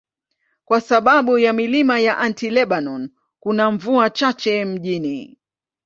Kwa sababu ya milima ya Anti-Lebanon, kuna mvua chache mjini.